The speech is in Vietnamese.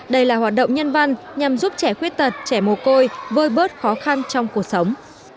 đây là hoạt động nhân văn nhằm giúp trẻ khuyết tật trẻ mồ côi vơi bớt khó khăn trong cuộc sống